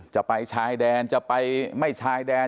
จะไปชายแดนจะไปไม่ชายแดน